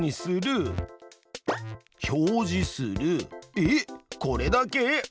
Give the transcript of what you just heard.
えっこれだけ？